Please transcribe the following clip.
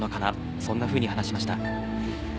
そんなふうに話しました。